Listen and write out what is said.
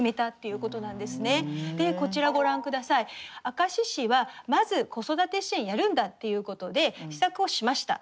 明石市はまず子育て支援やるんだっていうことで施策をしました。